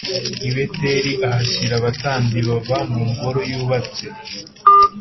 I Beteli ahashyira abatambyi baba mu ngoro yubatse